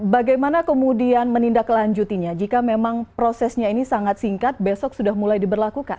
bagaimana kemudian menindaklanjutinya jika memang prosesnya ini sangat singkat besok sudah mulai diberlakukan